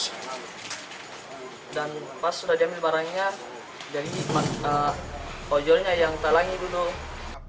dan pas sudah diambil barangnya jadi kojolnya yang talangi dulu